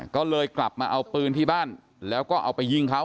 ก็เลยกลับมาเอาปืนที่บ้านแล้วก็เอาไปยิงเขา